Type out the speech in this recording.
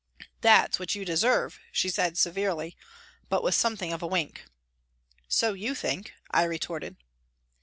" That's what you deserve," she said, severely, but with something of a wink. " So you think," I retorted.